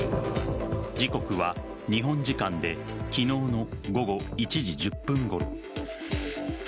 時刻は日本時間で昨日の午後１時１０分ごろ。